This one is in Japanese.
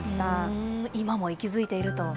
今も息づいていると。